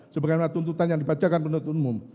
sebagaimana tuntutan yang dibacakan penuntut umum